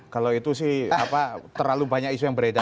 kalau itu sih terlalu banyak isu yang beredar